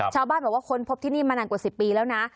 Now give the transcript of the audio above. ชาวบ้านบอกว่าค้นพบที่นี่มานานกว่า๑๐ปีแล้วนะ